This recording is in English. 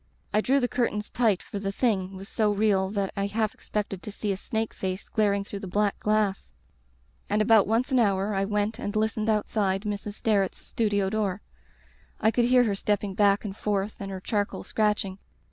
I drew the curtains tight for the Thing was so real that I half expected to see a snake face glaring through the black glass. And about once an hour I went and listened outside Mrs. Sterret's studio door. I could hear her stepping back and forth and her charcoal scratching.